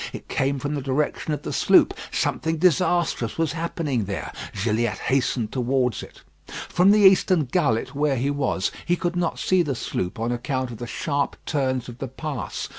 It came from the direction of the sloop. Something disastrous was happening there. Gilliatt hastened towards it. From the eastern gullet where he was, he could not see the sloop on account of the sharp turns of the pass.